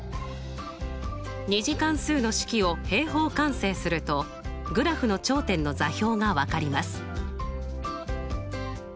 ２次関数の式を平方完成するとグラフの頂点の座標が分かります。